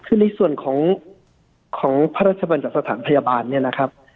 คือในส่วนของของพระราชบัญสถานพยาบาลเนี่ยนะครับ